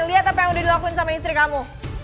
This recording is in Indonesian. lihat apa yang udah dilakuin sama istri kamu